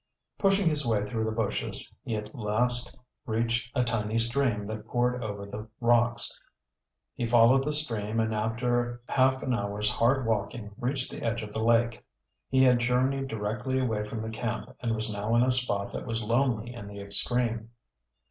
Pushing his way through the bushes he at last reached a tiny stream that poured over the rocks. He followed the stream and after half an hour's hard walking reached the edge of the lake. He had journeyed directly away from the camp and was now in a spot that was lonely in the extreme.